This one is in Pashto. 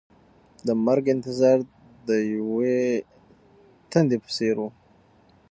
د مرګ انتظار د یوې تندې په څېر و.